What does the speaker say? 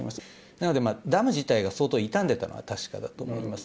なので、ダム自体が相当傷んでたのは確かだと思います。